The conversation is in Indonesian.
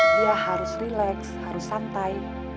dia harus rileks harus santai